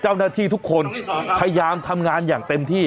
เจ้าหน้าที่ทุกคนพยายามทำงานอย่างเต็มที่